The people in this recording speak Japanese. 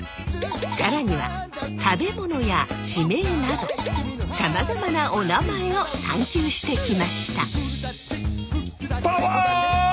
更には食べ物や地名などさまざまなおなまえを探究してきました。